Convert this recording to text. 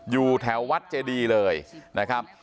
อยู่แถววัดเจดีเลยนะครับ